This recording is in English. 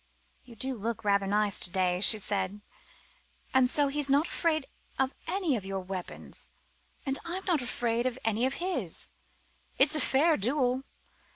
"You do look rather nice to day," she said. "And so he's not afraid of any of your weapons! And I'm not afraid of any of his. It's a fair duel.